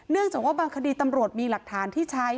จากว่าบางคดีตำรวจมีหลักฐานที่ใช้